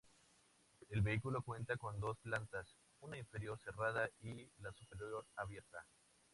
El vehículo cuenta con dos plantas, una inferior cerrada y la superior abierta.